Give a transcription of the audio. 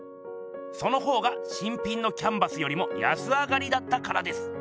その方が新品のキャンバスよりも安上がりだったからです。